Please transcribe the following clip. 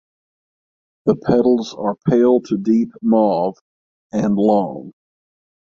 The petals are pale to deep mauve and long.